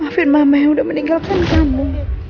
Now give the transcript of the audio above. maafin mama yang udah meninggalkan kamu